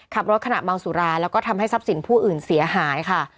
ขับรถขณะเมาสุราแล้วก็ทำให้ทรัพย์สินผู้อื่นเสียหายค่ะ